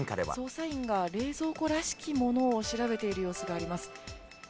捜査員が冷蔵庫らしきものを調べている様子があります。